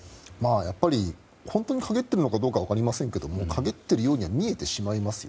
やっぱり、本当に陰っているのかは分かりませんが陰っているようには見えてしまいますよ。